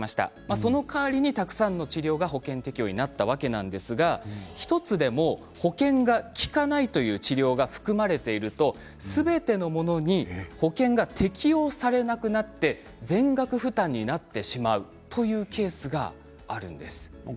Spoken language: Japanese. その代わりにたくさんの治療が保険適用になったわけですが１つでも保険が利かないという治療が含まれているとすべてのものに保険が適用されなくなって全額負担になってしまうというケースがあるんです。